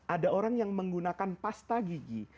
ada orang yang menggunakan pasta gigi